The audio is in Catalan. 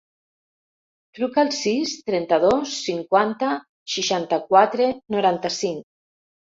Truca al sis, trenta-dos, cinquanta, seixanta-quatre, noranta-cinc.